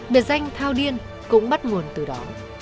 biệt danh thao điên cũng bắt nguồn từ đó